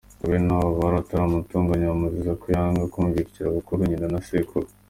Nuko bene wabo baramutonganya, bamuziza ko yanga kumvira abakuru: nyina na sekuru.